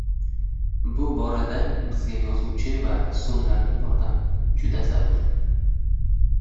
Bu borada bizga yozuvchi va rassomlarning yordami juda zarur.